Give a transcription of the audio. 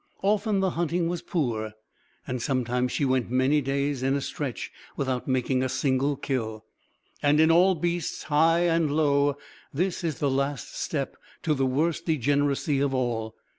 Often the hunting was poor, and sometimes she went many days in a stretch without making a single kill. And in all beasts, high and low, this is the last step to the worst degeneracy of all.